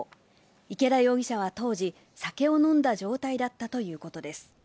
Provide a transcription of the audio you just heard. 池田容疑者は当時、酒を飲んだ状態だったということです。